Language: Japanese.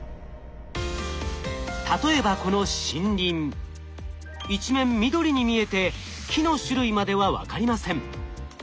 例えばこの森林一面緑に見えて木の種類までは分かりません。